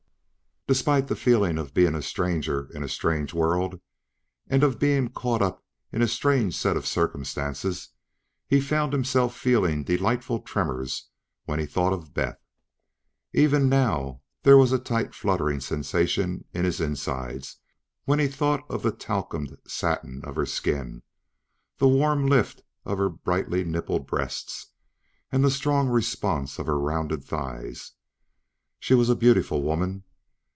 Despite the feeling of being a stranger in a strange world, and of being caught up in a strange set of circumstances, he found himself feeling delightful tremors when he thought of Beth. Even now, there was a tight, fluttering sensation in his insides when he thought of the talcumed satin of her skin, the warm lift of her brightly nippled breasts and the strong response of her rounded thighs. She was a beautiful woman.